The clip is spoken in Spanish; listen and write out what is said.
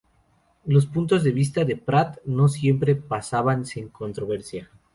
Los puntos de vista de Pratt no siempre pasaban sin controversia.